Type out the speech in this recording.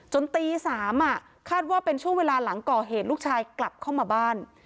ตี๓คาดว่าเป็นช่วงเวลาหลังก่อเหตุลูกชายกลับเข้ามาบ้าน